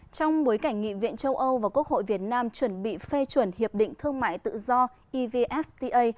trong bối cảnh nghị viện châu âu và quốc hội việt nam chuẩn bị phê chuẩn hiệp định thương mại tự do evfca